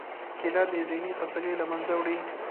کېله د ذهنی خستګۍ له منځه وړي.